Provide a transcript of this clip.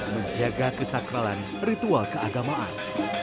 menjaga kesakralan ritual keagamaan